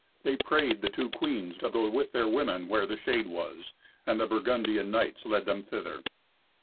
They prayed the two queens to go with their women where the shade was, and the Burgundian knights led them thither.